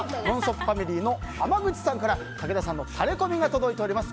ファミリーの濱口さんから武田さんのタレコミが届いております。